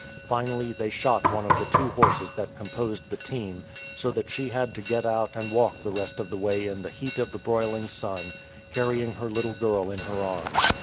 Finally, they shot one of the two horses that composed the team, so that she had to get out and walk the rest of the way in the heat of the broiling sun, carrying her little girl in her arms.